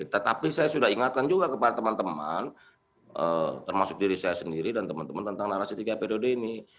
tetapi saya sudah ingatkan juga kepada teman teman termasuk diri saya sendiri dan teman teman tentang narasi tiga periode ini